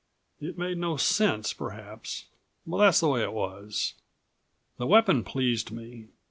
It made no sense, perhaps, but that's the way it was. The weapon pleased me.